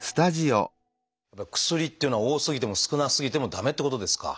やっぱり薬っていうのは多すぎても少なすぎても駄目ってことですか？